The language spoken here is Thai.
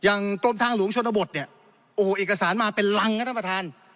กรมทางหลวงชนบทเนี่ยโอ้โหเอกสารมาเป็นรังนะท่านประธาน